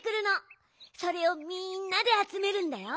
それをみんなであつめるんだよ。